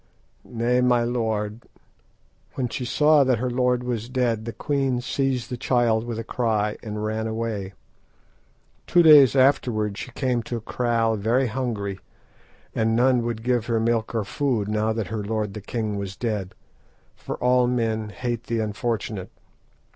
"Nay, my lord. When she saw that her lord was dead the queen seized the child with a cry and ran away. Two days afterward she came to a kraal very hungry, and none would give her milk or food, now that her lord the king was dead, for all men hate the unfortunate.